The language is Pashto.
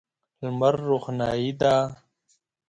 لمر روښنايي ده.